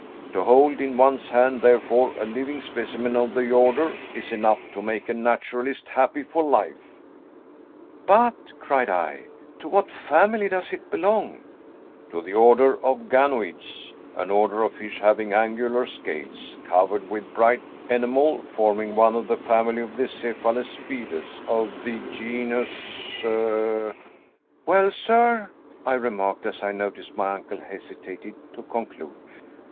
To hold in one's hand, therefore, a living specimen of the order, is enough to make a naturalist happy for life." "But," cried I, "to what family does it belong?" "To the order of Ganoides an order of fish having angular scales, covered with bright enamel forming one of the family of the Cephalaspides, of the genus " "Well, sir," I remarked, as I noticed my uncle hesitated to conclude.